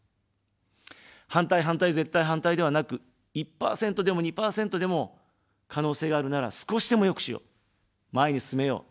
反対、反対、絶対反対ではなく、１％でも２％でも可能性があるなら少しでも良くしよう、前に進めよう。